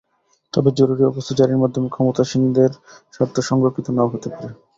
তবে জরুরি অবস্থা জারির মাধ্যমে ক্ষমতাসীনদের স্বার্থ সংরক্ষিত নাও হতে পারে।